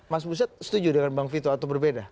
mas buset setuju dengan bang vito atau berbeda